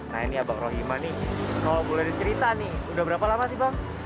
nah ini abang rohima nih kalau boleh dicerita nih udah berapa lama sih bang